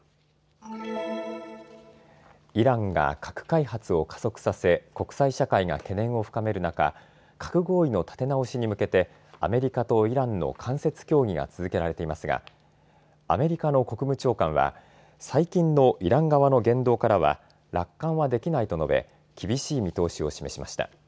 イランが核開発を加速させ、国際社会が懸念を深める中、核合意の立て直しに向けてアメリカとイランの間接協議が続けられていますがアメリカの国務長官は最近のイラン側の言動からは楽観はできないと述べ厳しい見通しを示しました。